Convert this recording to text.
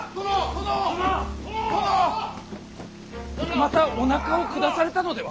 またおなかを下されたのでは？